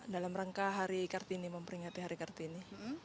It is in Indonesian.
dalam rangka hari kartini memperingati hari kartini